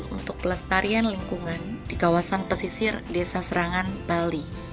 untuk pelestarian lingkungan di kawasan pesisir desa serangan bali